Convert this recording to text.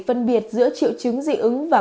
phân biệt giữa triệu chứng dị ứng và